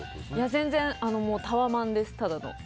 全然タワマンです、ただの。